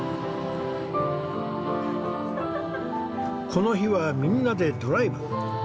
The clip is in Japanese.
この日はみんなでドライブ。